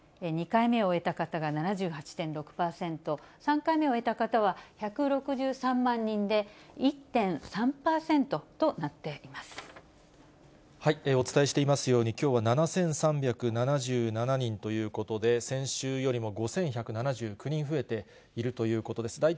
２回目を終えた方が７８．６％、３回目を終えた方は１６３万人で、お伝えしていますように、きょうは７３７７人ということで、先週よりも５１７９人増えているということです。